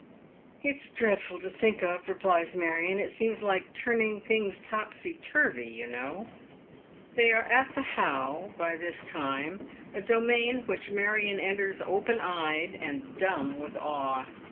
It's dreadful to think of," replies Marion " It seems like turning things topsy tui vy, you know." They are at the How by this time, a domain which Marion enters open eyed and dumb with awe.